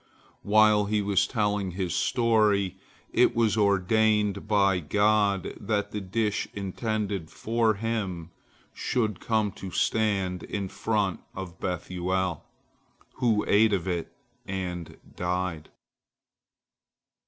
While he was telling his story, it was ordained by God that the dish intended for him should come to stand in front of Bethuel, who ate of it and died.